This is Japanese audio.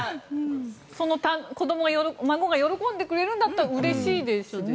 孫が喜んでくれるんだったらうれしいですよね。